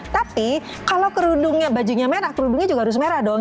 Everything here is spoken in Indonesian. tapi kalau kerundungnya bajunya merah kerudungnya juga harus merah dong